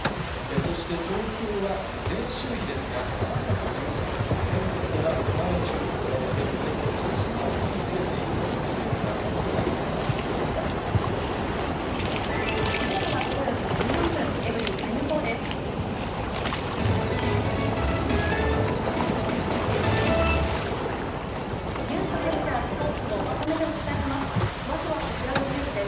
そして東京は、前週比ですが、７１３人、全国では前の週と比べておよそ１万人増えているというデータが報時刻は午後４時１４分、エブリィタイム４です。